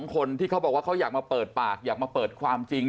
คนที่เขาบอกว่าเขาอยากมาเปิดปากอยากมาเปิดความจริง